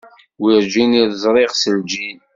Werǧin i t-ẓriɣ s lǧin.